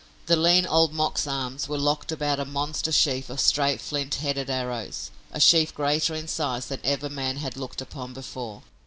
The lean old Mok's arms were locked about a monster sheaf of straight flint headed arrows, a sheaf greater in size than ever man had looked upon before.